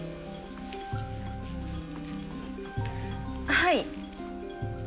はい。